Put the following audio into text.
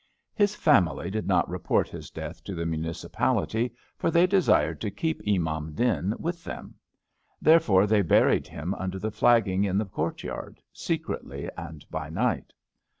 His family did not report his death to the Mu nicipality, for they desired to keep Imam Din with them. Therefore, they buried him under the flag ging in the courtyard, secretly and by night.